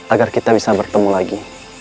agar kita bisa bertemu lagi